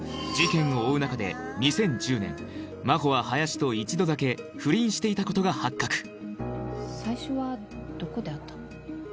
事件を追う中で２０１０年真帆は林と一度だけ不倫していたことが発覚最初はどこで会ったの？